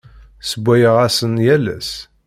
Ssewwayeɣ-asen yal ass.